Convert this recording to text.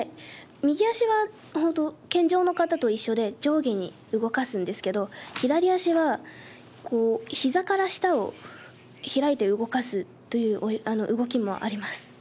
右足は本当、健常の方と一緒で、上下に動かすんですけれども、左足は、ひざから下を開いて動かすという動きもあります。